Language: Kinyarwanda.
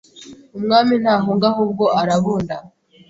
Umwami Ntahunga ahubwo Arabunda